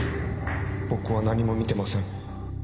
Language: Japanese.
僕は何も見てません。